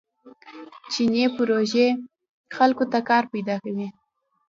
چیني پروژې خلکو ته کار پیدا کوي.